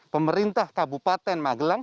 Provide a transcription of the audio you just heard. pemerintah kabupaten magelang